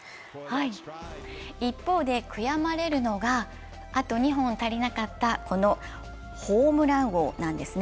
一方で、悔やまれるのが、あと２本足りなかったホームラン王なんですね。